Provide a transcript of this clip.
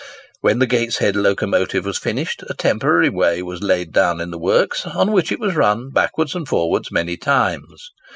When the Gateshead locomotive was finished, a temporary way was laid down in the works, on which it was run backwards and forwards many times.